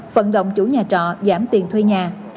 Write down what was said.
phận động chủ nhà trọ giảm tiền thuê nhà